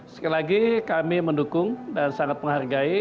sekali lagi kami mendukung dan sangat menghargai